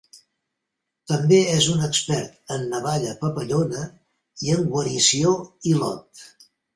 També és un expert en navalla papallona i en guarició hilot.